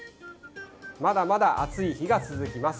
まだまだ暑い日が続きます。